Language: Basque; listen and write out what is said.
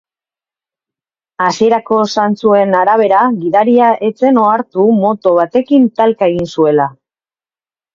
Hasierako zantzuen arabera, gidaria ez zen ohartu moto batekin talka egin zuela.